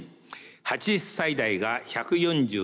８０歳代が１４４人。